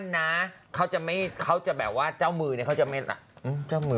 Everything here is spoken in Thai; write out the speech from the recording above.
นะเขาจะไม่เขาจะแบบว่าเจ้ามือนี่เขาจะเขาจะไม่ที่